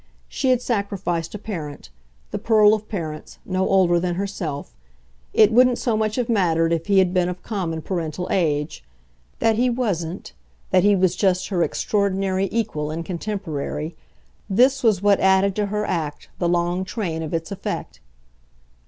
She had sacrificed a parent, the pearl of parents, no older than herself: it wouldn't so much have mattered if he had been of common parental age. That he wasn't, that he was just her extraordinary equal and contemporary, this was what added to her act the long train of its effect.